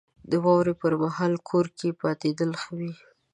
• د واورې پر مهال کور کې پاتېدل ښه وي.